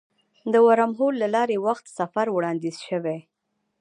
د ورم هول له لارې وخت سفر وړاندیز شوی.